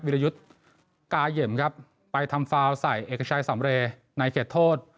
รยุทธ์กาเหยมครับไปทำฟาวใส่เอกชัยสำเรย์ในเขตโทษ